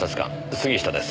杉下です。